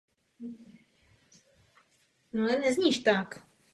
Civilní zaměstnanci přijmou tajně většinu zákonů.